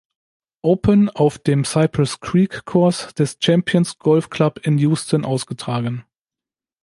Open auf dem Cypress Creek Course des Champions Golf Club in Houston ausgetragen.